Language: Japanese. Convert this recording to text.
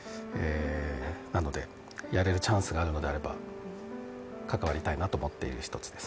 なので、やれるチャンスがあるのであれば関わりたいなと思っている一つです。